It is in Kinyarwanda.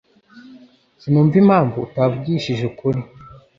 Sinumva impamvu atavugishije ukuri